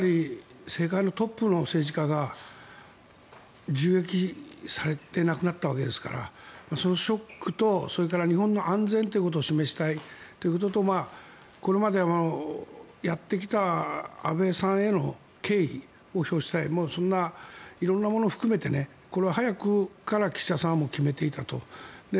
政界のトップの政治家が銃撃されて亡くなったわけですからそのショックと日本の安全ということを示したいということとこれまでやってきた安倍さんへの敬意を表したいもうそんな色んなものを含めてこれは早くから岸田さんは決めていたと。